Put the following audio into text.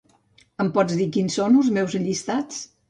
Em pots dir quins són els meus llistats?